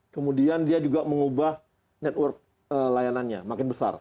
kemudian dia juga mengubah network layanannya makin besar